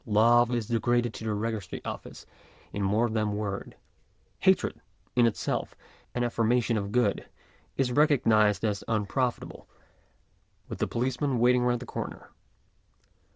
Love is degraded to the registry office in more than word ; hatred, in itself, an affirmation of good, is recognized as unprofit able, with the policeman waiting round the corner.